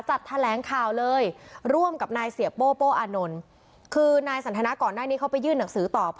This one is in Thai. แถลงข่าวเลยร่วมกับนายเสียโป้โป้อานนท์คือนายสันทนาก่อนหน้านี้เขาไปยื่นหนังสือต่อ